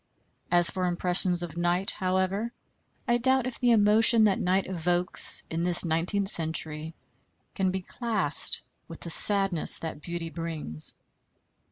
As for impressions of night, however, I doubt if the emotion that night evokes in this nineteenth century can be classed with the sadness that beauty brings.